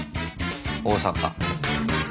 大阪。